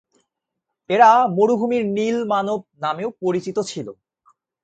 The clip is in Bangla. এরা "মরুভূমির নীল মানব" নামেও পরিচিত ছিলো।